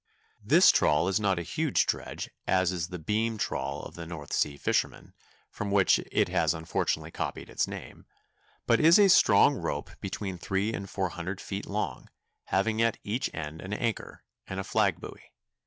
This trawl is not a huge dredge as is the beam trawl of the North Sea fishermen, from which it has unfortunately copied its name, but is a strong rope between three and four hundred feet long, having at each end an anchor and a flag buoy.